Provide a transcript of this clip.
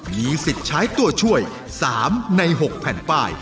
มีสิทธิ์ใช้ตัวช่วย๓ใน๖แผ่นป้าย